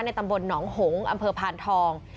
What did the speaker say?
ตำบลหนองหงษ์อำเภอพานทอง